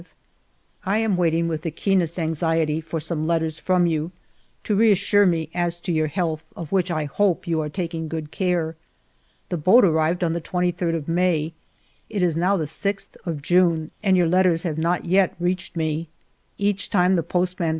I am w^aiting with the keenest anxiety for some letters from you, to reassure me as to your health, of which I hope you are taking good care. The boat arrived on the 23d of May; it is now the 6th of June, and your letters have not yet reached me. Each time the postman comes.